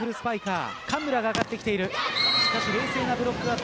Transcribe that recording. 冷静なブロック。